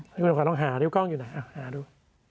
นี่เราก็ต้องหานี่กล้องอยู่ไหนเอ้าหาดู